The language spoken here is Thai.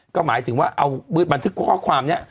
ก็หมายถึงว่าเอามือบันทึกข้อความนี้